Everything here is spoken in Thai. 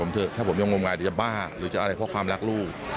ถ้าผมยังงมงายจะบ้าหรือจะอะไรเพราะความรักลูก